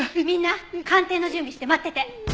みんな鑑定の準備して待ってて！